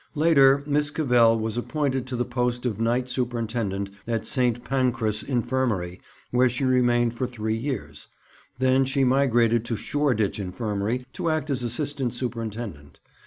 Later, Miss Cavell was appointed to the post of night superintendent at St. Pancras Infirmary, where she remained for three years; then she migrated to Shoreditch Infirmary to act as assistant superintendent.